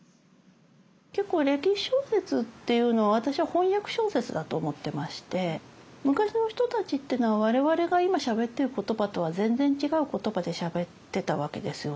結構歴史小説っていうのは私は翻訳小説だと思ってまして昔の人たちっていうのは我々が今しゃべってる言葉とは全然違う言葉でしゃべってたわけですよね。